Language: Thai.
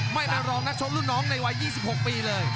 ไม่เป็นรองนักชกรุ่นน้องในวัย๒๖ปีเลย